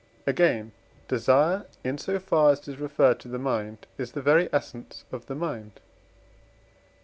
Again, desire, in so far as it is referred to the mind, is the very essence of the mind (Def.